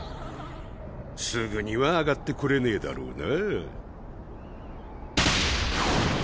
すぐには上がってこれねぇだろうな。